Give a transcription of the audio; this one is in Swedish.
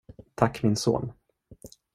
Tack min son.